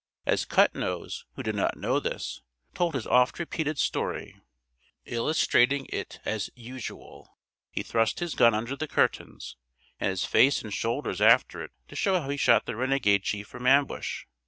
As Cut Nose, who did not know this, told his oft repeated story, illustrating it as usual, he thrust his gun under the curtains and his face and shoulders after it to show how he shot the renegade chief from ambush.